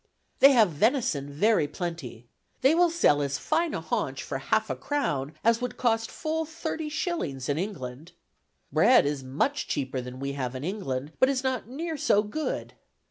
"They have venison very plenty. They will sell as fine a haunch for half a crown as would cost full thirty shillings in England. Bread is much cheaper than we have in England, but is not near so good.